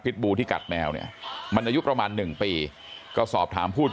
บูที่กัดแมวเนี่ยมันอายุประมาณ๑ปีก็สอบถามผู้